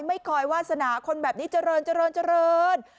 ไม่คอยวาสนาคนแบบนี้เจริญเจริญ